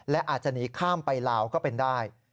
และอาจจะหนีข้ามไปลาวก็เป็นได้